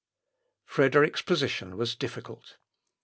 Frederick's position was difficult.